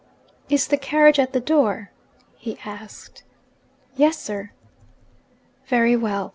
'Is the carriage at the door?' he asked. 'Yes, sir.' 'Very well.